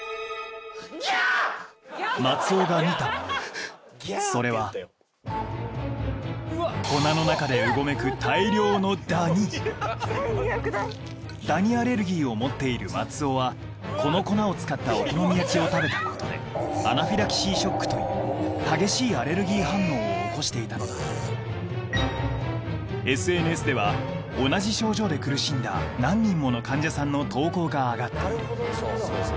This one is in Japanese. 松尾が見たものそれは粉の中でうごめく最悪だダニアレルギーを持っている松尾はこの粉を使ったお好み焼きを食べたことでアナフィラキシーショックという激しいアレルギー反応を起こしていたのだＳＮＳでは同じ症状で苦しんだ何人もの患者さんの投稿が上がっている